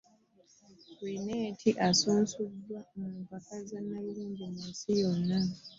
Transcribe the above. Lynette asunsuddwa mu mpaka za nnalungi munsi yonna.